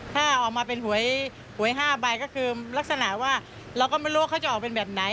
ถ้าออกมาเป็นหวย๕ใบก็คือลักษณะว่าเราก็ไม่รู้ว่าเขาจะออกเป็นแบบไหน